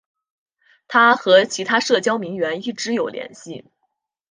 她和其他社交名媛一直有联系。